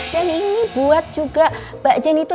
dan ini buat juga mbak jenny itu